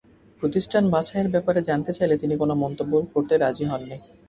প্রতিষ্ঠান বাছাইয়ের ব্যাপারে জানতে চাইলে তিনি কোনো মন্তব্য করতে রাজি হননি।